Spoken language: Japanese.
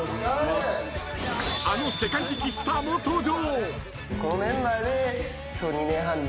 あの世界的スターも登場！